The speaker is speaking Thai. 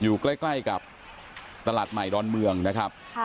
อยู่ใกล้กับตลาดใหม่ดอนเมืองนะครับ